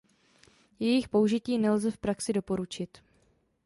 Jejich použití nelze v praxi doporučit.